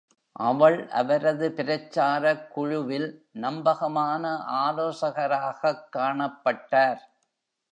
அவள் அவரது பிரச்சாரக் குழுவில் நம்பகமான ஆலோசகராகக் காணப்பட்டார்.